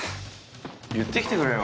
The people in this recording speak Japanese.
言ってきてくれよ